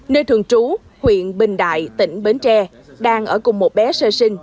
nơi thường trú huyện bình đại tỉnh bến tre đang ở cùng một bé sơ sinh